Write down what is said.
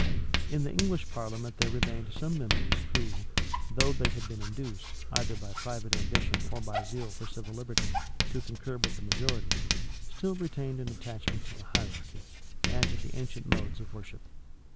In the English parliament there remained some members who, though they had been induced, either by private ambition or by zeal for civil liberty, to concur with the majority, still retained an attachment to the hierarchy, and to the ancient modes of worship.